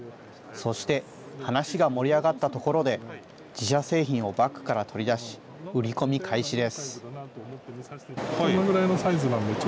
そして、話が盛り上がったところで、自社製品をバッグから取り出し、売り込み開始です。